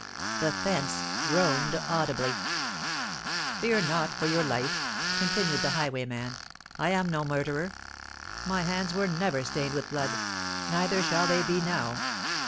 The fence groaned audibly. "Fear not for your life," continued the highwayman: "I am no murderer:—my hands were never stained with blood—neither shall they be now!